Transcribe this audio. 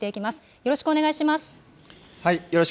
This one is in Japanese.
よろしくお願いします。